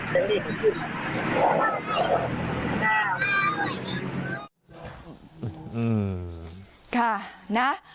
เดินได้ถึงพรุ่งมา